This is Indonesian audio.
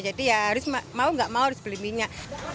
jadi ya harus mau nggak mau harus beli minyak